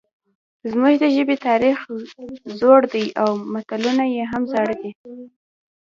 زموږ د ژبې تاریخ زوړ دی او متلونه هم زاړه دي